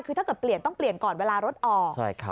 คือถ้าเกิดเปลี่ยนต้องเปลี่ยนก่อนเวลารถออก